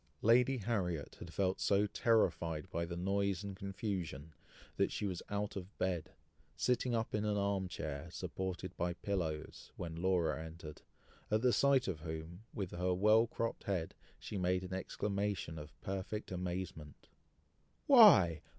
Lady Harriet had felt so terrified by the noise and confusion, that she was out of bed, sitting up in an arm chair, supported by pillows, when Laura entered, at the sight of whom, with her well cropped head, she made an exclamation of perfect amazement. "Why!